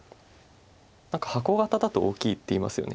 何か箱形だと大きいっていいますよね。